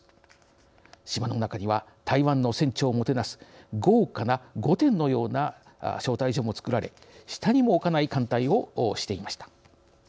島の中には台湾の船長をもてなす豪華な御殿のような招待所も造られ下にも置かない歓待をしていました。